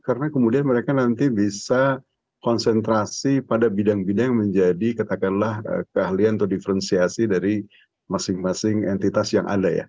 karena kemudian mereka nanti bisa konsentrasi pada bidang bidang menjadi katakanlah keahlian atau diferensiasi dari masing masing entitas yang ada ya